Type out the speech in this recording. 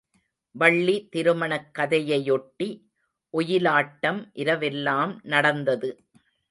வள்ளி திருமணக் கதையையொட்டி ஒயிலாட்டம் இரவெல்லாம் நடந்தது.